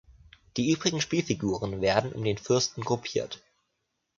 Die übrigen Spielfiguren werden um den Fürsten gruppiert.